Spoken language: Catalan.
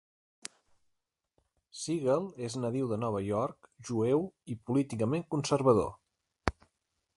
Siegel és nadiu de Nova York, jueu i políticament conservador.